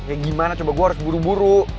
kayak gimana coba gue harus buru buru